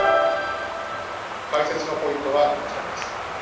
解説のポイントはこちらです。